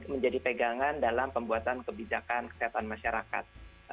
menjadi pegangan dalam pembuatan kebijakan kesehatan masyarakat